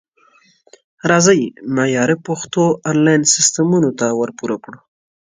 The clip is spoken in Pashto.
راځئ معیاري پښتو انلاین سیستمونو ته ورپوره کړو